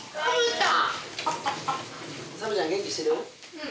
・うん。